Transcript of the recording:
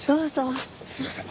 あっすいません。